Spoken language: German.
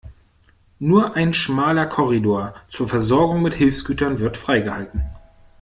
Nur ein schmaler Korridor zur Versorgung mit Hilfsgütern wird freigehalten.